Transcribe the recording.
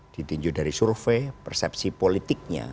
ditinjau dari survei persepsi politiknya